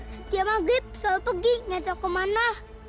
setiap maghrib selalu pergi nyetok ke mana